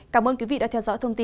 cảm ơn quý vị đã theo dõi thông tin